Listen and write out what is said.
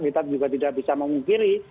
kita juga tidak bisa memungkiri